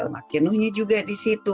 lemak jenuhnya juga disitu